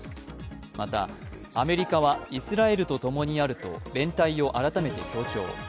またアメリカはイスラエルとともにあると連帯を改めて強調。